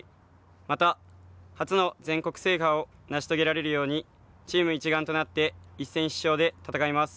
また、初の全国制覇を成し遂げられるようにチーム一丸となって一戦必勝で戦います。